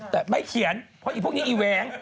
แต่ไม่เขียนเพราะอีพวกนี้อีแหวง